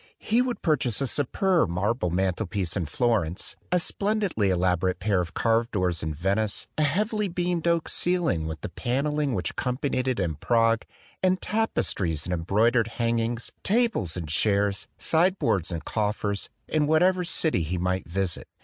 He would purchase a superb marble mantel piece in Florence, a splendidly elaborate pair <>f carved doors in Venice, a heavily beamed oak ceiling, with the panelling which accompanied it in Prague, and tapestries ami embroidered 49 THE DWELLING OF A DAY DREAM hangings, tables and chairs, sideboards and coffers, in whatever city he might visit.